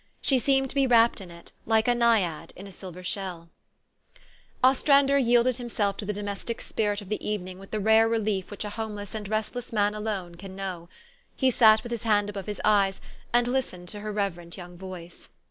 She seemed to be wrapped in it like a Naiad in a silver shell. 92 THE STORY OF AVIS. Ostrander yielded himself to the domestic spirit of the evening with the rare relief which a homeless and restless man alone can know. He sat with his hand above his eyes, and listened to her reverent young voice.